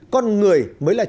con người mới là chúng ta